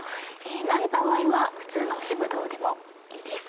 ない場合は普通の干しぶどうでもいいです。